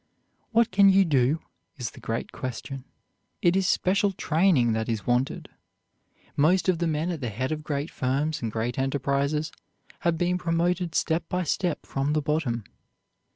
"What can you do?" is the great question. It is special training that is wanted. Most of the men at the head of great firms and great enterprises have been promoted step by step from the bottom.